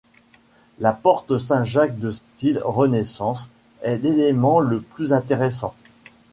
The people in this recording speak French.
La porte Saint-Jacques de style Renaissance est l'élément le plus intéressant.